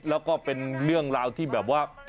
แล้วก็เป็นเรื่องราวที่แบบว่า